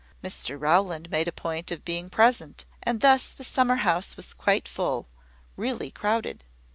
Mr Rowland made a point of being present: and thus the summer house was quite full, really crowded.